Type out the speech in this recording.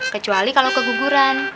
kecuali kalau keguguran